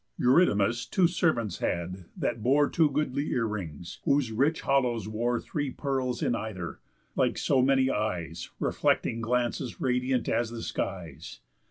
Eurydamas two servants had that bore Two goodly earrings, whose rich hollows wore Three pearls in either, like so many eyes, Reflecting glances radiant as the skies.